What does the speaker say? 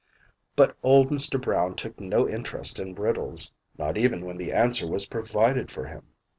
"' But old Mr. Brown took no interest in riddles not even when the answer was provided for him.